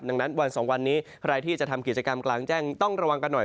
ดังนั้นวันสองวันนี้ใครที่จะทำกิจกรรมกลางแจ้งต้องระวังกันหน่อย